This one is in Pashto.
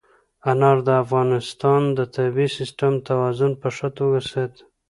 انار د افغانستان د طبعي سیسټم توازن په ښه توګه ساتي.